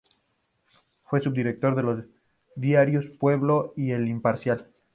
Fue Subdirector de los diarios "Pueblo" y "El Imparcial".